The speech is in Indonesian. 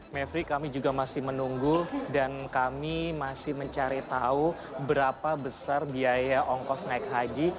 mevri kami juga masih menunggu dan kami masih mencari tahu berapa besar biaya ongkos naik haji